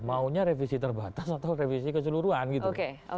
maunya revisi terbatas atau revisi keseluruhan gitu